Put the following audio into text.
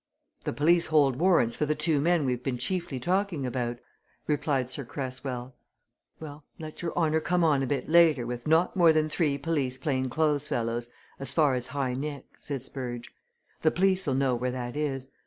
"The police hold warrants for the two men we've been chiefly talking about," replied Sir Cresswell. "Well let your honour come on a bit later with not more than three police plain clothes fellows as far as High Nick," said Spurge. "The police'll know where that is.